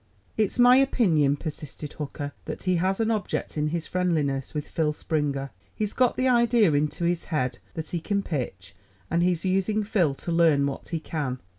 "It's my opinion," persisted Hooker, "that he has an object in his friendliness with Phil Springer. He's got the idea into his head that he can pitch, and he's using Phil to learn what he can.